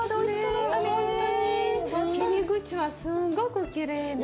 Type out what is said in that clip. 切り口はすごくきれいで。